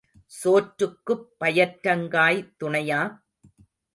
சோற்றுக்குப் பயற்றங்காய் துணையா?